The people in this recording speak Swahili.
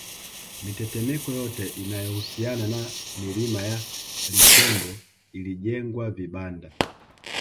Mitetemeko yote inayohusiana na milima ya Litembo ilijengwa vibanda